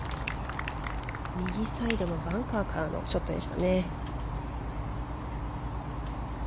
右サイドのバンカーからのショットでした。